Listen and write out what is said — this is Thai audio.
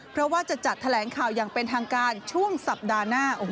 เพราะว่าจะจัดแถลงข่าวอย่างเป็นทางการช่วงสัปดาห์หน้า